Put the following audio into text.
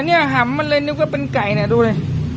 เหนื่อยหำหลังเลยว่าเป็นไก่นะดูดิ